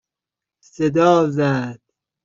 صدا زد